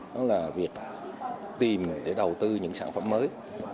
đó là việc tìm để đầu tư những sản phẩm mới